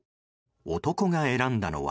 男が選んだのは。